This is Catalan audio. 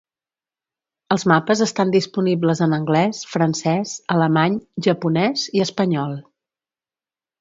Els mapes estan disponibles en anglès, francès, alemany, japonès i espanyol.